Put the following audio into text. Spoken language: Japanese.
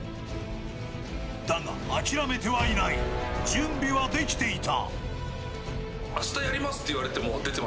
だが諦めてはいない準備はできていた。